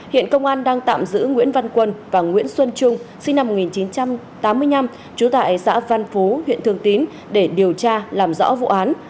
hiện công an đang tạm giữ nguyễn văn quân và nguyễn xuân trung sinh năm một nghìn chín trăm tám mươi năm trú tại xã phan phú huyện thường tín để điều tra làm rõ vụ án